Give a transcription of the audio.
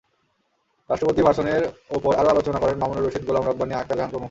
রাষ্ট্রপতির ভাষণের ওপর আরও আলোচনা করেন মামুনুর রশীদ, গোলাম রাব্বানী, আক্তার জাহান প্রমুখ।